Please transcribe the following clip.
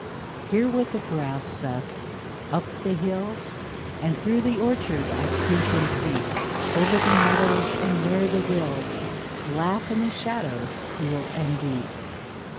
Hear what the grass saith :'* Up the hills And through the orchard I creep and creep, Over the meadows, and where the rills Laugh in the shadows cool and deep.